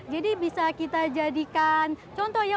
jadi bisa kita jadikan contoh ya